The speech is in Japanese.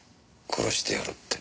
殺してやるって。